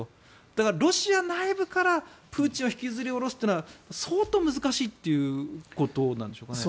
だから、ロシア内部からプーチンを引きずり下ろすというのは相当難しいということなんでしょうかね。